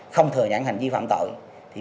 không thừa nhận hành vi phạm tội